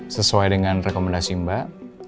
sesuai dengan rekomendasi mbak